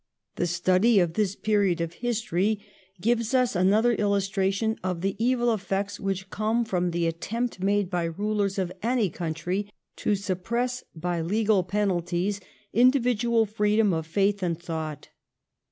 The study of this period of history gives us another illustration of the evil effects which come from the attempt made by the rulers of any country to suppress by legal penalties individual freedom of faith and thought.